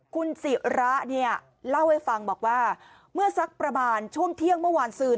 คุณศิระเนี่ยเล่าให้ฟังบอกว่าเมื่อสักประมาณช่วงเที่ยงเมื่อวานซืน